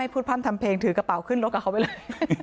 พร่ำทำเพลงถือกระเป๋าขึ้นรถกับเขาไปเลย